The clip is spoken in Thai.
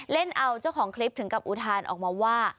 เล่นเอาเจ้าของคลิปถึงกับอุทานออกมาว่า